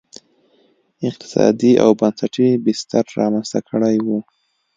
اقتصادي او بنسټي بستر رامنځته کړی و.